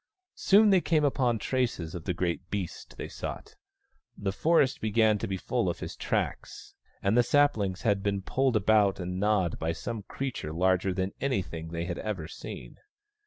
Soon they came upon traces of the great beast they sought. The forest began to be full of his tracks, and the saplings had been pulled about and gnawed by some creature larger than anything they had ever seen.